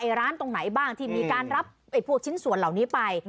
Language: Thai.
ร้านตรงไหนบ้างที่มีการรับพวกชิ้นส่วนเหล่านี้ไป